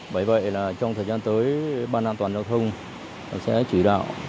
bởi vậy là trong thời gian tới ban an toàn giao thông sẽ chỉ đạo